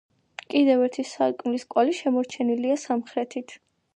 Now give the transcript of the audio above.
კიდევ ერთი სარკმლის კვალი შემორჩენილია სამხრეთით.